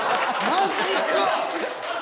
マジか！